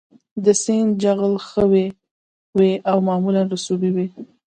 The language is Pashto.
د سیند جغل ښوی وي او معمولاً رسوبي وي